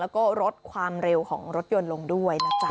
แล้วก็ลดความเร็วของรถยนต์ลงด้วยนะจ๊ะ